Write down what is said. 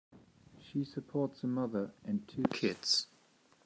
She supports a mother and two kids.